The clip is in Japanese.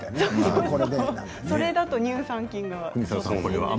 それだと乳酸菌が。